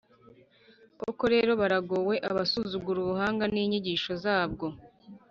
Koko rero, baragowe abasuzugura ubuhanga n’inyigisho zabwo;